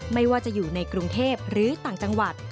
ไม่ว่าจะอยู่ในกรุงเทพหรือต่างจังหวัด